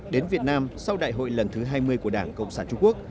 đến việt nam sau đại hội lần thứ hai mươi của đảng cộng sản trung quốc